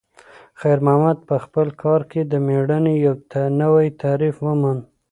خیر محمد په خپل کار کې د میړانې یو نوی تعریف وموند.